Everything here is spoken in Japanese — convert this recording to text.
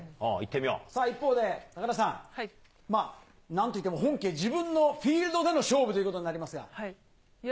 さあ、一方で高田さん、なんといっても本家、自分のフィールドでの勝負ということになりいや